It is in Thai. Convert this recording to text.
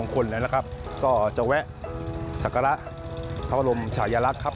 ก็จะแวะสักการะพระอารมณ์ฉายลักษณ์ครับ